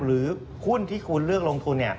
หรือหุ้นที่คุณเลือกลงทุน